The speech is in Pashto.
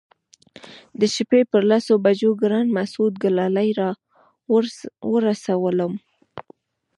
د شپې پر لسو بجو ګران مسعود ګلالي راورسولم.